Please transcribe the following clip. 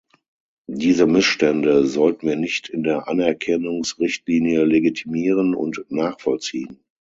Diese Missstände sollten wir nicht in der Anerkennungsrichtlinie legitimieren und nachvollziehen.